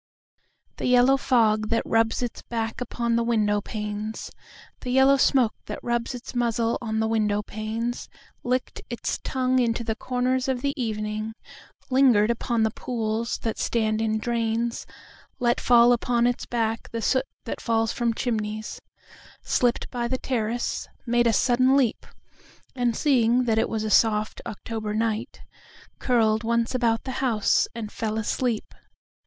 The yellow fog that rubs its back upon the window panes, The yellow smoke that rubs its muzzle on the window panesLicked its tongue into the corners of the evening, Lingered upon the pools that stand in drains, Let fall upon its back the soot that falls from chimneys, Slipped by the terrace, made a sudden leap, And seeing that it was a soft October night, Curled once about the house, and fell asleep.